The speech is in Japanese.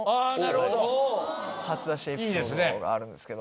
初出しエピソードがあるんですけど。